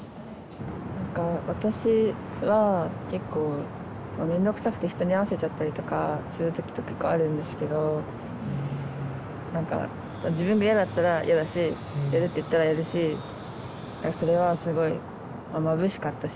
なんか私は結構めんどくさくて人に合わせちゃったりとかする時とか結構あるんですけどなんか自分がやだったらやだしやるって言ったらやるしそれはすごいまぶしかったし。